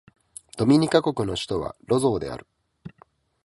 ドミニカ国の首都はロゾーである